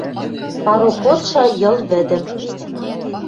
Пароходшы Йыл вӹдӹм